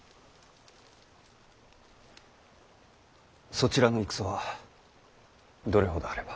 そちらの戦はどれほどあれば。